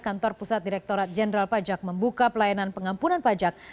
kantor pusat direkturat jenderal pajak membuka pelayanan pengampunan pajak